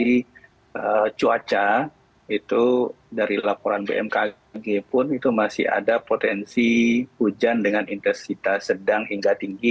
jadi cuaca itu dari laporan bmkg pun itu masih ada potensi hujan dengan intensitas sedang hingga tinggi